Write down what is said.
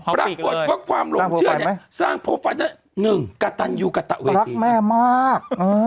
ปรากฏว่าความหลงเชื่อเนี่ยสร้างโปรไฟล์ได้๑กระตันยูกระตะรักแม่มาก